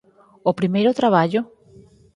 O primeiro traballo?